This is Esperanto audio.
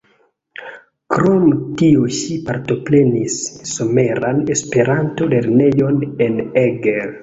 Krom tio ŝi partoprenis Someran Esperanto-lernejon en Eger.